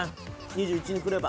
２１にくれば。